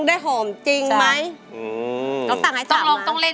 สวัสดีครับคุณหน่อย